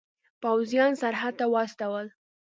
پوځیان سرحد ته واستول.